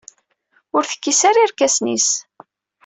Ur tekkis ara irkasen-is.